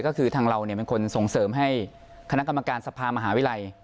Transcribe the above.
ก็คือทางเราเป็นคนส่งเสริมให้คณะกรรมการสภามหาวิทยาลัย